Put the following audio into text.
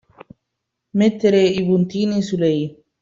Mettere i puntini sulle i.